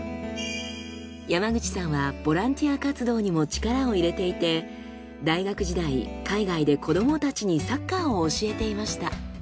山口さんはボランティア活動にも力を入れていて大学時代海外で子どもたちにサッカーを教えていました。